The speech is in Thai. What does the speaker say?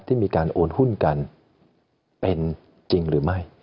ที่มีการโอนหุ้นกันเป็นจริงหรือไม่